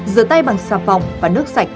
rửa tay bằng xà phòng và nước sạch